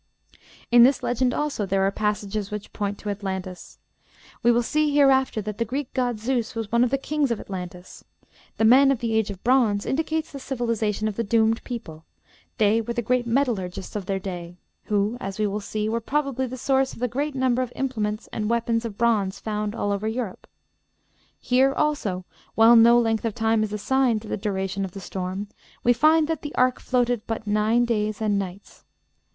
In this legend, also, there are passages which point to Atlantis. We will see hereafter that the Greek god Zeus was one of the kings of Atlantis. "The men of the age of bronze" indicates the civilization of the doomed people; they were the great metallurgists of their day, who, as we will see, were probably the source of the great number of implements and weapons of bronze found all over Europe. Here, also, while no length of time is assigned to the duration of the storm, we find that the ark floated but nine days and nights.